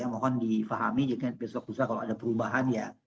mohon difahami jika besok besok kalau ada perubahan ya